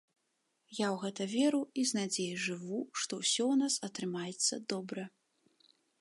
Я ў гэта веру і з надзей жыву, што ўсё ў нас атрымаецца добра.